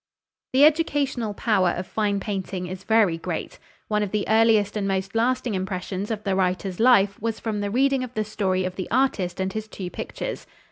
The educational power of fine painting is very great. One of the earliest and most lasting impressions of the writer's life was from the reading of the story of the artist and his two pictures.